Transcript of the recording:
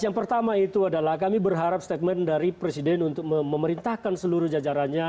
yang pertama itu adalah kami berharap statement dari presiden untuk memerintahkan seluruh jajarannya